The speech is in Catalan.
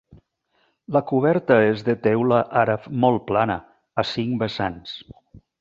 La coberta és de teula àrab molt plana, a cinc vessants.